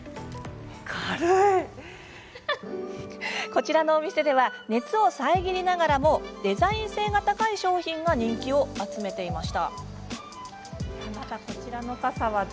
こちらのお店では熱を遮りながらもデザイン性が高い商品が人気を集めています。